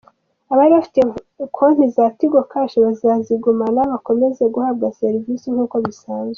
Abari bafite konti za Tigo Cash bazazigumana bakomeza guhabwa serivisi nk’uko bisanzwe.